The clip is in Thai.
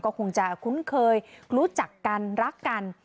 ก็คงจะคุ้นเคยรู้จักกันรักกัน